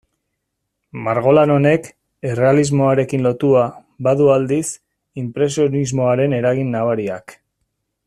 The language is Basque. Margolan honek, errealismoarekin lotua, badu aldiz, inpresionismoaren eragin nabariak.